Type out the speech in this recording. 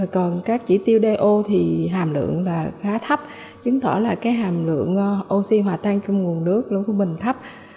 còn các chỉ tiêu do thì hàm lượng là khá thấp chứng tỏ là cái hàm lượng oxy hòa tan trong nguồn nước lúa của mình thấp